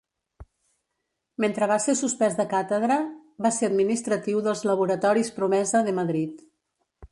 Mentre va ser suspès de càtedra va ser administratiu dels laboratoris Promesa de Madrid.